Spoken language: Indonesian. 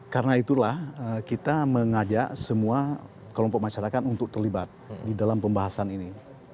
karena itulah kita mengajak semua kelompok masyarakat untuk terlibat di dalam pembahasan ini